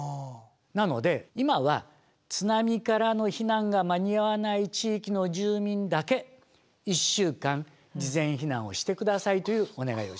なので今は津波からの避難が間に合わない地域の住民だけ１週間事前避難をして下さいというお願いをします。